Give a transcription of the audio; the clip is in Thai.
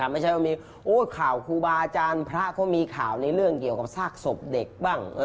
ไม่ใช่ว่ามีข่าวครูบาอาจารย์พระเขามีข่าวในเรื่องเกี่ยวกับซากศพเด็กบ้าง